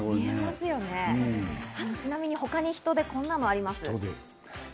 ちなみに他にヒトデはこんなのがあります。